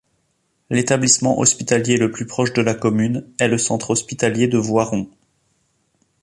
L'établissement hospitalier le plus proche de la commune est le centre hospitalier de Voiron.